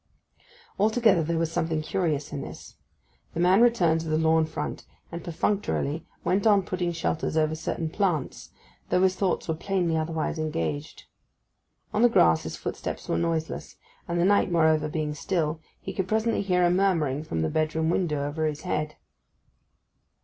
Altogether there was something curious in this. The man returned to the lawn front, and perfunctorily went on putting shelters over certain plants, though his thoughts were plainly otherwise engaged. On the grass his footsteps were noiseless, and the night moreover being still, he could presently hear a murmuring from the bedroom window over his head.